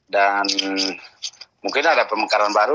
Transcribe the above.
dan mungkin ada pemekaran baru